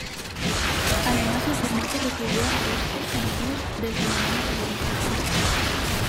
Además el formato recibió a rostros conocidos del panorama televisivo.